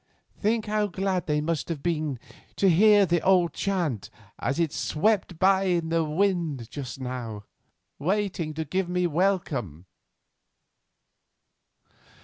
Think how glad they must have been to hear the old chant as they swept by in the wind just now, waiting to give me welcome."